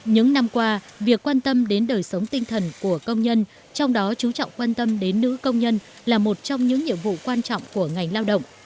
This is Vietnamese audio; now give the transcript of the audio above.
những năm qua việc quan tâm đến đời sống tinh thần của công nhân trong đó chú trọng quan tâm đến nữ công nhân là một trong những nhiệm vụ quan trọng của ngành lao động